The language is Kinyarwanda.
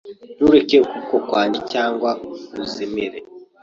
Ntureke ukuboko kwanjye, cyangwa uzimire